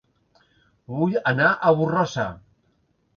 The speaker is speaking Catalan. Vull anar a Borrassà